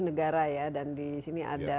negara ya dan di sini ada